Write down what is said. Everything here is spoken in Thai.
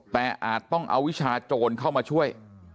แต่อาจต้องเอาวิชาโจรเข้ามาช่วย